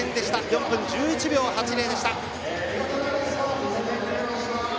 ４分１１秒８０でした。